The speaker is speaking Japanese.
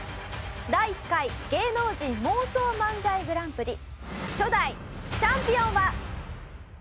第１回芸能人妄想漫才グランプリ初代チャンピオンは。